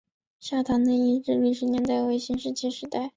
下堂那遗址的历史年代为新石器时代。